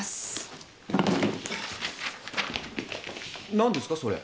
何ですかそれ？